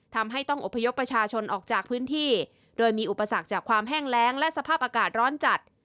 ทำให้ต้องอบพยพประชาชนออกจากพื้นที่โดยมีอุปสรรคจากความแห้งแรงและสภาพอากาศร้อนจัด